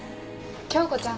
京子ちゃん